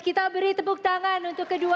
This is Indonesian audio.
kita beri tepuk tangan untuk kedua